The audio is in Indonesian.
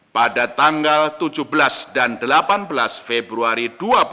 pada tanggal tujuh belas dan delapan belas februari dua ribu dua puluh